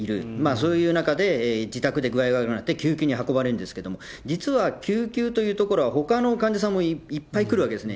そういう中で、自宅で具合悪くなって、救急で運ばれるんですけれども、実は救急というところはほかの患者さんもいっぱい来るわけですね。